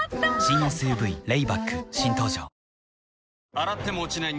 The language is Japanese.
洗っても落ちない